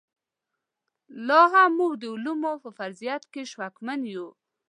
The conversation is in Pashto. لاهم موږ د علومو په فرضیت کې شکمن یو.